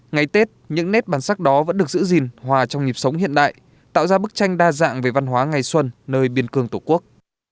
ngày tết những nét bản sắc đó vẫn được giữ gìn hòa trong nhịp sống hiện đại tạo ra bức tranh đa dạng về văn hóa ngày xuân nơi biên cương tổ quốc